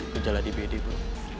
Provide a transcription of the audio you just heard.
kejala di bd bro